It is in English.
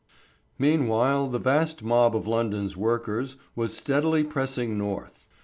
Meanwhile the vast mob of London's workers was steadily pressing north.